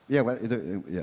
iya pak itu